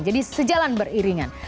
jadi sejalan beriringan